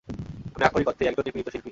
আমি আক্ষরিক অর্থেই একজন নিপীড়িত শিল্পী।